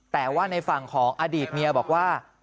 แต่ว่าในฝั่งของอดีตเมียบอกว่า